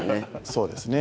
そうですね。